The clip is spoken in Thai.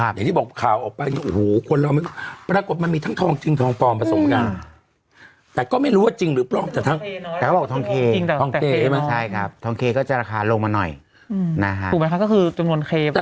แต่ที่บอกข่าวออกไปมีทั้งทองทั้งทองพรประสงค์กัน